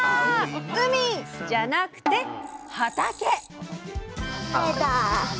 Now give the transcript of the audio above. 海じゃなくて畑！